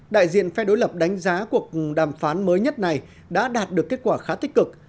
đại diện phe đối lập đánh giá cuộc đàm phán mới nhất này đã đạt được kết quả khá tích cực